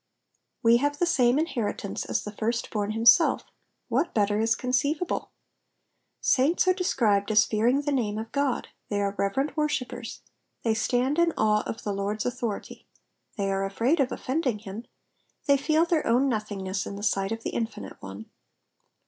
We have the same inheritance as the Firstborn him self ; what better is conceivable ? Saints are described as fenring the name of God ; they are reverent worshippers ; they stand in awe of the Lord^s authority ; they are afraid of offending him, they feel their own nothingness in the sight of the Infinite One.